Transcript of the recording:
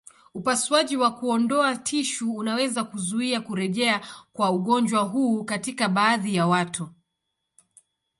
Upasuaji wa kuondoa tishu unaweza kuzuia kurejea kwa ugonjwa huu katika baadhi ya watu.